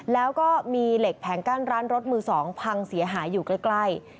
แล้วก็มีเหล็กแผงกั้นร้านรถมือ๒พังเสียหายอยู่ใกล้